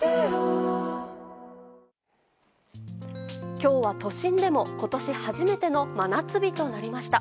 今日は都心でも今年初めての真夏日となりました。